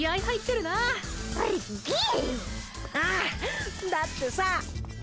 ああだってさ。